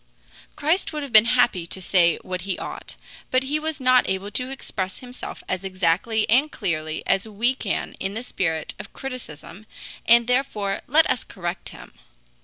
Christ would have been happy to say what he ought, but he was not able to express himself as exactly and clearly as we can in the spirit of criticism, and therefore let us correct him.